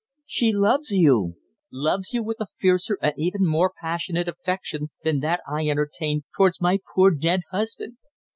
"She loves you loves you with a fiercer and even more passionate affection than that I entertained towards my poor dead husband.